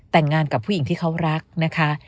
แต่งงานกับผู้หญิงที่เขารักนะคะ